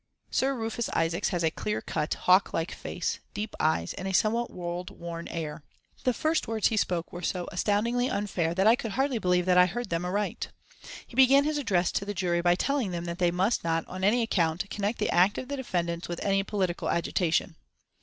Sir Rufus Isaacs has a clear cut, hawk like face, deep eyes, and a somewhat world worn air. The first words he spoke were so astoundingly unfair that I could hardly believe that I heard them aright. He began his address to the jury by telling them that they must not, on any account, connect the act of the defendants with any political agitation.